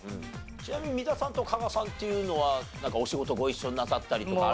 ちなみに三田さんと加賀さんっていうのはなんかお仕事ご一緒になさったりとか。